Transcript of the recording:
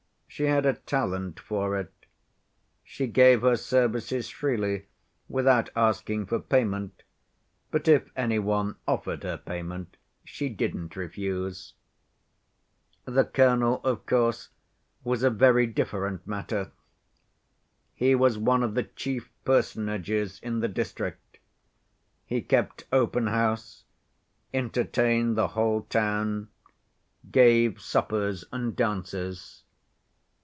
She had a talent for it. She gave her services freely without asking for payment, but if any one offered her payment, she didn't refuse. The colonel, of course, was a very different matter. He was one of the chief personages in the district. He kept open house, entertained the whole town, gave suppers and dances.